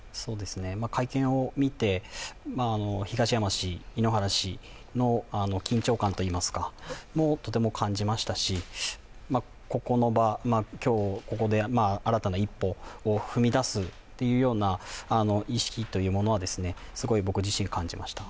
会見を見て、東山氏、井ノ原氏の緊張感もとても感じましたし、ここの場、今日ここで新たな一歩を踏み出すというような意識というのは、すごい僕自身感じました。